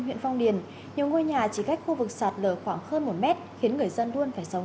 hà tiền nhiều ngôi nhà chỉ cách khu vực sạt lở khoảng hơn một m khiến người dân luôn phải sống